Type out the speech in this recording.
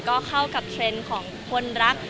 ก็เข้ากับเทรนด์ของคนรัก